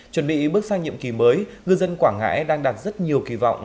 chuẩn bị bước sang nhiệm kỳ mới ngư dân quảng ngãi đang đặt rất nhiều kỳ vọng